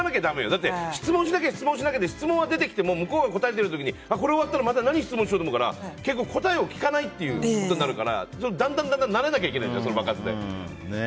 だって、質問しなきゃで質問が出てきても向こうが答えてる時にこれ終わったら何を質問しようと思うから結局、答えを聞かないっていうことになるからだんだん慣れなきゃいけないその場数で。